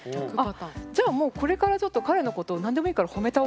じゃあもうこれからちょっと彼のことを何でもいいからははあ。